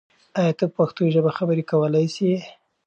آیا ته په پښتو ژبه خبرې کولای سې؟